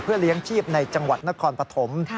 เลี้ยงชีพในจังหวัดนครปฐม